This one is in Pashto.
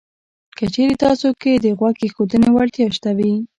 که چېرې تاسې کې د غوږ ایښودنې وړتیا شته وي